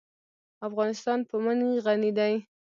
افغانستان په منی غني دی.